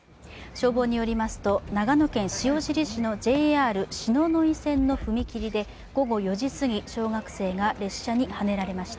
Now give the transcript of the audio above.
消防によりますと、長野県塩尻市のＪＲ篠ノ井線の踏切で、午後４時すぎ、小学生が列車にはねられました。